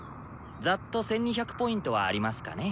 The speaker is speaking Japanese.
ざっと１２００Ｐはありますかね。